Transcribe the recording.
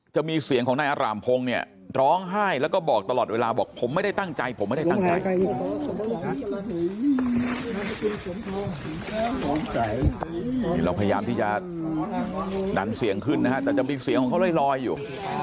เราพยายามที่จะดันเสียงขึ้นนะฮะแต่จะมีเสียงของเขาร้อยอยู่